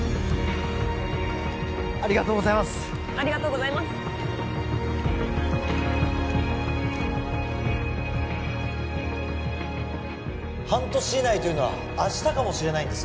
ありがとうございますありがとうございます半年以内というのは明日かもしれないんです